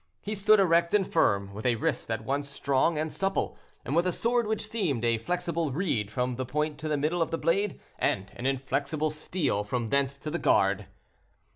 He stood erect and firm, with a wrist at once strong and supple, and with a sword which seemed a flexible reed from the point to the middle of the blade, and an inflexible steel from thence to the guard.